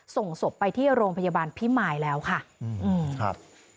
ส่งศพไปที่โรงพยาบาลพิมมายแล้วค่ะ